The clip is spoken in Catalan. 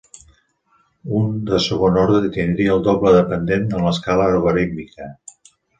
Un de segon ordre tindria el doble de pendent en l'escala logarítmica.